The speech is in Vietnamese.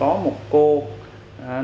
đang rất bằng khoan